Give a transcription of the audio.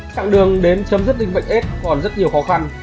trạng đường đến chấm dứt linh bệnh aids còn rất nhiều khó khăn